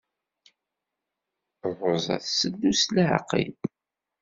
Ṛuza tetteddu s leɛqel.